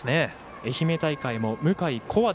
愛媛大会も向井、古和田